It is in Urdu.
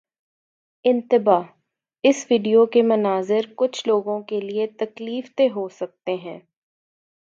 انتباہ: اس ویڈیو کے مناظر کچھ لوگوں کے لیے تکلیف دہ ہو سکتے ہیں